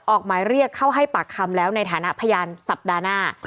ออกหมายเรียกเข้าให้ปากคำแล้วในฐานะพยานสัปดาห์หน้า